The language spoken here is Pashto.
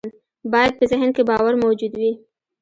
بايد په ذهن کې باور موجود وي.